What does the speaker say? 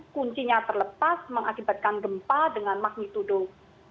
kuncinya terlepas mengakibatkan gempa dengan makhmi tuduh sembilan